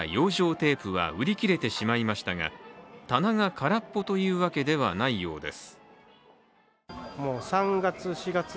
テープは売り切れてしまいましたが棚が空っぽというわけではないようです。